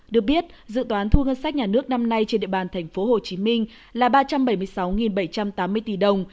được biết dự toán thu ngân sách nhà nước năm nay trên địa bàn tp hcm là ba trăm bảy mươi sáu bảy trăm tám mươi tỷ đồng